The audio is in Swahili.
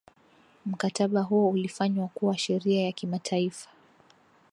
mkataba huo ulifanywa kuwa sheria ya kimataifa